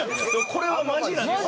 これはマジなんですよ。